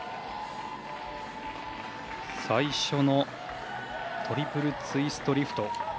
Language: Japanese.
最初のトリプルツイストリフト。